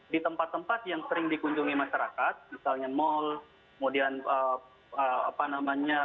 di tempat tempat yang sering dikunjungi masyarakat misalnya mal kemudian apa namanya